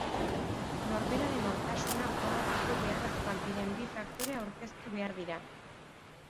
Norberaren nortasuna frogatzeko beharrezkoak diren bi faktore aurkeztu behar dira.